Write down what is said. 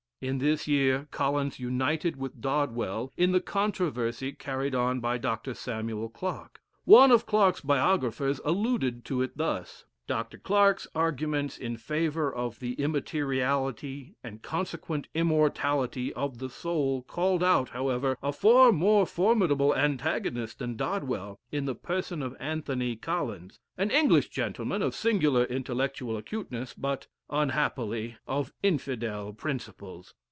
In this year Collins united with Dodwell in the controversy carried on by Dr. Samuel Clarke. One of Clarke's biographers alludes to it thus: "Dr. Clarke's arguments in favor of the immateriality, and consequent immortality of the soul, called out, however, a far more formidable antagonist than Dodwell, in the person of Anthony Collins, an English gentleman of singular intellectual acuteness, but, unhappily, of Infidel principles.